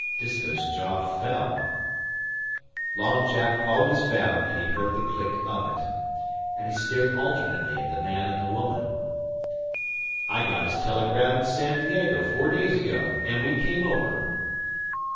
Disko's jaw fell, Long Jack always vowed that he heard the click of it, and he stared alternately at the man and the woman. "I got his telegram in San Diego four days ago, and we came over."